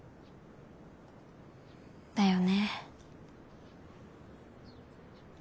だよね。